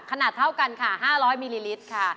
ขนาดเท่ากันค่ะ๕๐๐มิลลิลิตรค่ะ